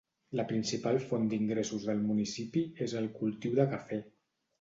La principal font d'ingressos del municipi és el cultiu del cafè.